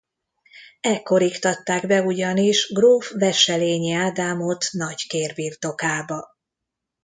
Ekkor iktatták be ugyanis gróf Wesselényi Ádámot Nagy-Kér birtokába.